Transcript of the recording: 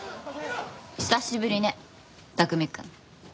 久しぶりね拓海くん。